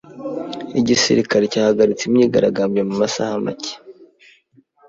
Igisirikare cyahagaritse imyigaragambyo mu masaha make.